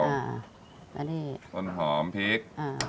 ส้วนหอมพริก